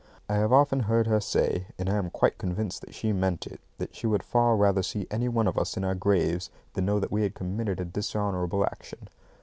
I have often heard her say (and I am quite convinced that she meant it) that she would far rather see any one of us in our graves than know that we had committed a dishonourable action.